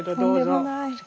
とんでもない。